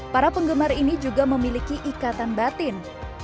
para penggemar ini juga memiliki ikatan batin